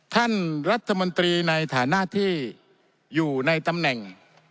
ท่านรัฐมนตรีในฐานะที่อยู่ในตำแหน่ง